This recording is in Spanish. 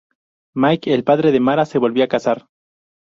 Mike, el padre de Mara, se volvió a casar.